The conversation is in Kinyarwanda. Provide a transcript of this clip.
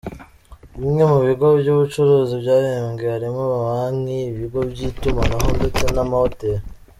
Bimwe mu bigo by’ubucuruzi byahembwe harimo amabanki, ibigo by’itumanaho ndetse n’amahoteri.